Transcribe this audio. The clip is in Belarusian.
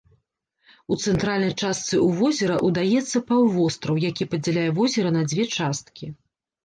У цэнтральнай частцы ў возера удаецца паўвостраў, які падзяляе возера на дзве часткі.